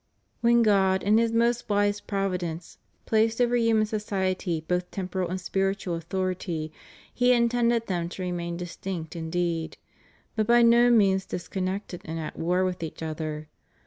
When God, in His most wise provi dence, placed over human society both temporal and spiritual authority, He intended them to remain distinct indeed, but by no means disconnected and at war with each other.